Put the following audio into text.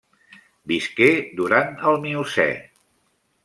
Visqué durant el Miocè.